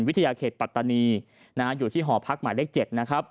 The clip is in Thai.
วิทยาเขตปัตตานีอยู่ที่หอพักหมายเลข๗นะครับ